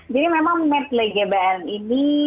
jadi memang medley gbn ini